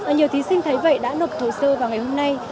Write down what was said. nhiều thí sinh thấy vậy đã nộp hồ sơ vào ngày hôm nay